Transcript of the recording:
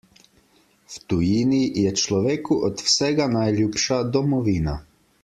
V tujini je človeku od vsega najljubša domovina.